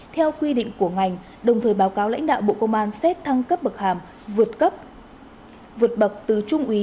theo quy định của ngành đồng thời báo cáo lãnh đạo bộ công an xét thăng cấp bậc hàm vượt bậc từ trung úy